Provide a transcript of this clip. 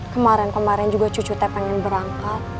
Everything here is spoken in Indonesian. kemaren kemaren juga cucu teh pengen berangkat